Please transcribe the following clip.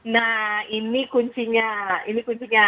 nah ini kuncinya